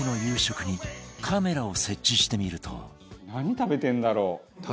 「何食べてるんだろう？